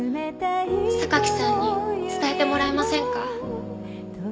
榊さんに伝えてもらえませんか？